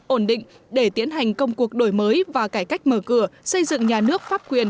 ổn định để tiến hành công cuộc đổi mới và cải cách mở cửa xây dựng nhà nước pháp quyền